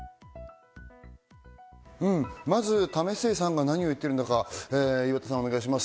まず為末さんが何を言っているのか、お願いします。